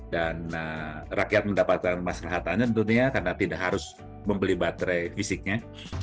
dan rakyat mendapatkan masalah hartanya tentunya karena tidak harus membeli baterai fisiknya